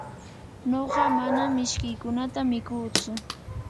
nuqa manam mishkiykunata mikutsu.